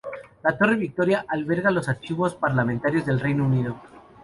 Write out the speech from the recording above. La torre Victoria alberga los archivos parlamentarios del Reino Unido.